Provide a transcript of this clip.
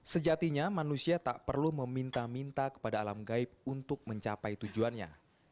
sejatinya manusia tak perlu meminta minta kepada alam gaib untuk mencapai tujuannya